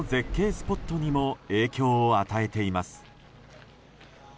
スポットにも影響を与えています。